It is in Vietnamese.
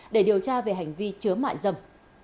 để điều tra về hành vi chứa mại dầm